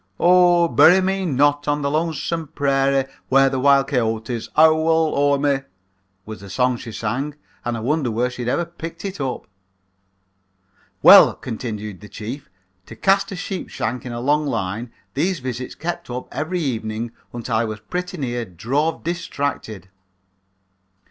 "'Oh, bury me not on the lonesome prairie Where the wild coyotes howl o'er me,' was the song she sang and I wondered where she had ever picked it up. "Well," continued the chief, "to cast a sheep shank in a long line, these visits kept up every evening until I was pretty near drove distracted.